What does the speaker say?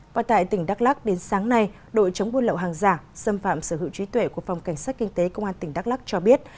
và tại tỉnh đắk lắc đến sáng nay đội chống buôn lậu hàng giả xâm phạm sở hữu trí tuệ của phòng cảnh sát kinh tế công an tỉnh đắk lắc cho biết